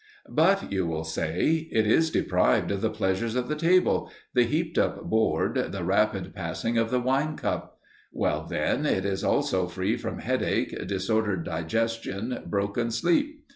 But, you will say, it is deprived of the pleasures of the table, the heaped up board, the rapid passing of the wine cup. Well, then, it is also free from headache, disordered digestion, broken sleep.